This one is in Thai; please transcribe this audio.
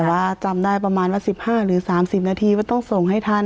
แต่ว่าจำได้ประมาณว่าสิบห้าหรือสามสิบนาทีว่าต้องส่งให้ทัน